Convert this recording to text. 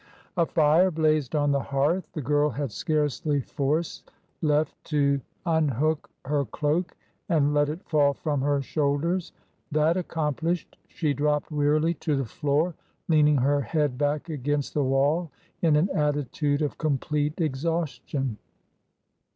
A fire blazed on the hearth. The girl had scarcely force lefl to unhook her cloak and let it fall from her shoulders; that accomplished, she dropped wearily to the floor, leaning her head back against the wall in an attitude of complete exhaustion.